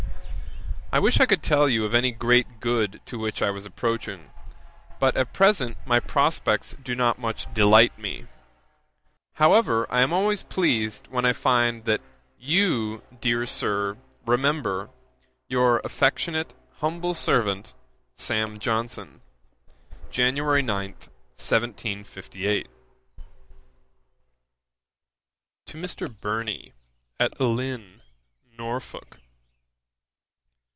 I wish I could tell you of any great good to which I was approaching, but at present my prospects do not much delight me; however, I am always pleased when I find that you, dear Sir, remember, 'Your affectionate, humble servant, 'SAM. JOHNSON.' 'Jan. 9, 1758.' 'TO MR. BURNEY, AT LYNNE, NORFOLK.